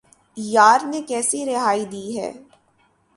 یار نے کیسی رہائی دی ہے